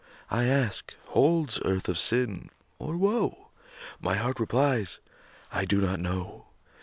I ask, "Holds earth of sin, or woe?" My heart replies, "I do not know."